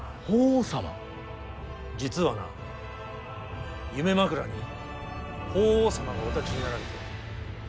実はな夢枕に法皇様がお立ちになられて。